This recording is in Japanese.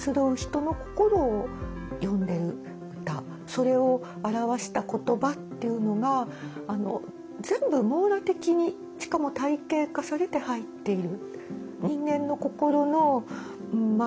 それを表した言葉っていうのが全部網羅的にしかも体系化されて入っている。